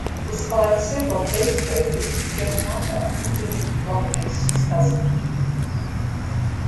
Despite several peace treaties, Shemyaka continued to plot against his cousin.